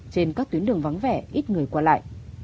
trên các tuyến đường vắng vẻ ít người qua lại